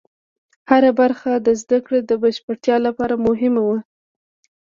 هره برخه د زده کړې د بشپړتیا لپاره مهمه وه.